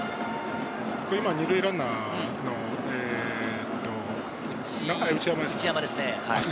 今、２塁ランナーの内山ですね。